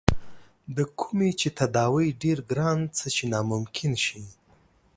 د کومې چې تداوے ډېر ګران څۀ چې ناممکن شي